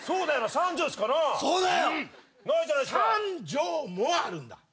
３畳もあるんだ。